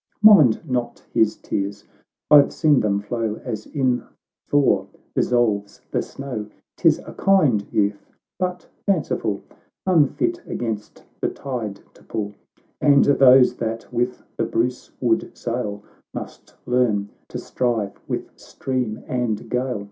— Mind not his tears ; I've seen them flow, As in the thaw dissolves the snow. 'Tis a kind youth, but fanciful, Unfit against the tide to pull, And those that with the Bruce would sail, Must learn to strive with stream and gale.